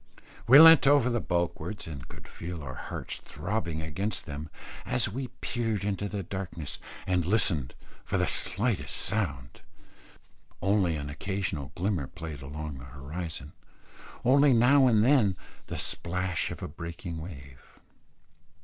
We leant over the bulwarks, and could feel our hearts throbbing against them, as we peered into the darkness and listened for the slightest sound; only an occasional glimmer played along the horizon, only now and then the splash of a breaking wave.